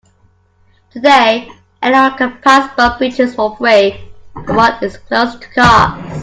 Today, anyone can pass both bridges for free, but one is closed to cars.